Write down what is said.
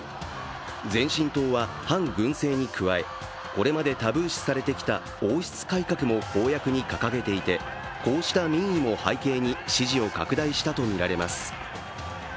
前進党は反軍政に加え、これまでタブー視されてきた王室改革も公約に掲げていてこうした民意も背景に支持を拡大したとみられます。